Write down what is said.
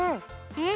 うん。